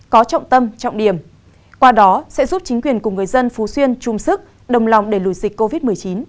có trọng tâm trọng điểm qua đó sẽ giúp chính quyền cùng người dân phú xuyên chung sức đồng lòng đẩy lùi dịch covid một mươi chín